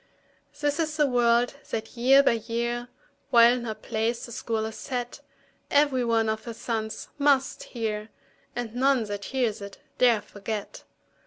This is the word that year by year, While in her place the School is set, Every one of her sons must hear, And none that hears it dare forget.